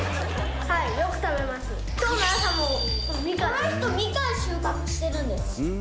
この人ミカン収穫してるんです。